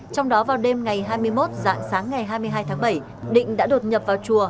trong đó vào đêm ngày hai mươi một dạng sáng ngày hai mươi hai tháng bảy định đã đột nhập vào chùa